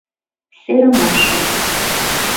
Серымашым.